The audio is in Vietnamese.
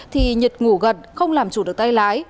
thì nhật ngủ gật không làm chủ được tay lái